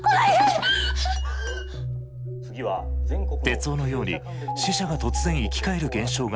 徹生のように死者が突然生き返る現象が多発。